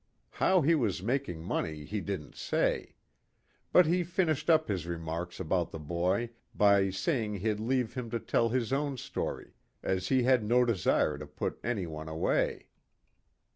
How he was making money he didn't say. But he finished up his remarks about the boy by saying he'd leave him to tell his own story, as he had no desire to put any one away."